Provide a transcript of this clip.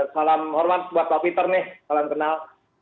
salam hormat buat pak peter nih salam kenal